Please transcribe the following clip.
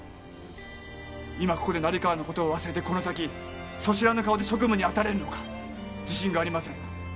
今ここで成川のことを忘れてこの先素知らぬ顔で職務に当たれるのか自信がありません